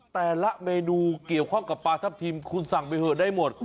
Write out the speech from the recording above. แต่ละเมนูเกี่ยวข้องกับปลาทับทิมคุณสั่งไปเถอะได้หมด